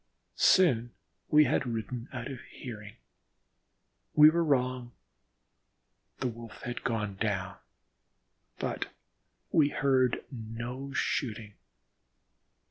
Soon we had ridden out of hearing. We were wrong the Wolf had gone down, but we heard no shooting.